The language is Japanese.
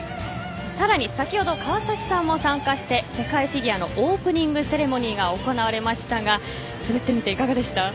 更に、先ほど川崎さんも参加して世界フィギュアのオープニングセレモニーが行われましたが滑ってみて、いかがでした？